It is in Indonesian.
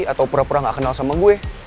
atau pura pura gak kenal sama gue